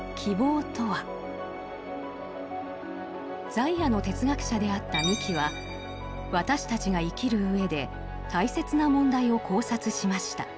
在野の哲学者であった三木は私たちが生きる上で大切な問題を考察しました。